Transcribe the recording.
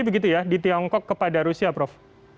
begitu ya di tiongkok kepada rusia prof